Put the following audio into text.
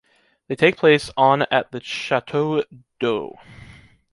They take place on at the Château-d'Œx.